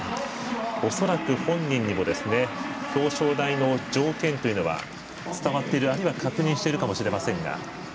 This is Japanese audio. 恐らく本人にも表彰台の条件は伝わっている、あるいは確認しているかもしれませんが。